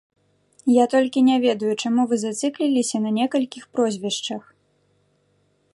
Я толькі не ведаю, чаму вы зацыкліліся на некалькіх прозвішчах.